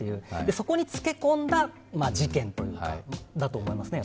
そこにつけ込んだ事件だと思いますね。